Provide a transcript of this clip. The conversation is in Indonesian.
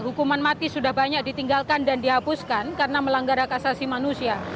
hukuman mati sudah banyak ditinggalkan dan dihapuskan karena melanggar hak asasi manusia